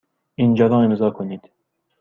اینجا را امضا کنید.